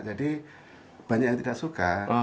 jadi banyak yang tidak suka